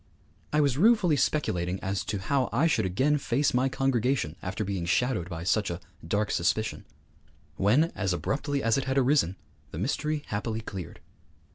I was ruefully speculating as to how I should again face my congregation after being shadowed by such a dark suspicion. When, as abruptly as it had arisen, the mystery happily cleared.